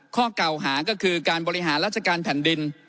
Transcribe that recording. ข้อเก่าหาก็คือการบริหารราชการแผ่นดิน